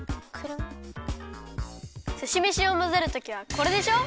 すしめしをまぜるときはこれでしょ？